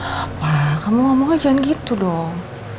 apa kamu ngomong aja jangan gitu dong